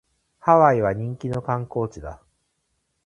ハワイは人気の観光地だ